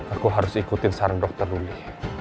aku harus ikutin sarang dokter ruli